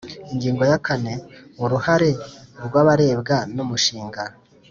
Ingingo ya kane Uruhare rw abarebwa n umushinga